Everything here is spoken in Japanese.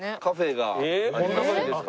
えっこの中にですか？